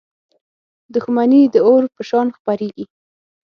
• دښمني د اور په شان خپرېږي.